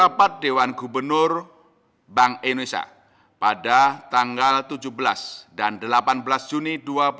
rapat dewan gubernur bank indonesia pada tanggal tujuh belas dan delapan belas juni dua ribu dua puluh